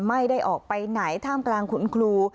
ไม่ได้ออกไปไหนท่ามกลางคุณครู